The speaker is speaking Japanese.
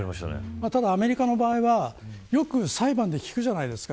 ただ、アメリカの場合はよく裁判で聞くじゃないですか。